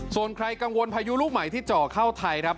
ส่วนใครกังวลพายุลูกใหม่ที่เจาะเข้าไทยครับ